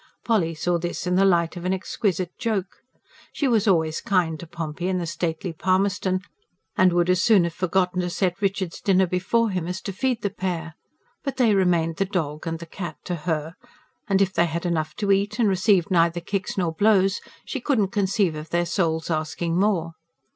Polly saw this in the light of an exquisite joke. She was always kind to Pompey and the stately Palmerston, and would as soon have forgotten to set Richard's dinner before him as to feed the pair; but they remained "the dog" and "the cat" to her, and, if they had enough to eat, and received neither kicks nor blows, she could not conceive of their souls asking more.